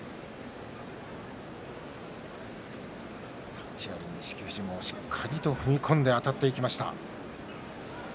立ち合い錦富士もしっかり踏み込んであたっていきました。